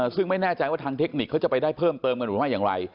ซึ่งไม่แน่ใจว่าทางเทคนิคเขาจะไปได้เพิ่มเติมกันหรือไม่อย่างไร